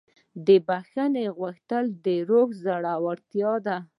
د بښنې غوښتنه د روح زړورتیا ده.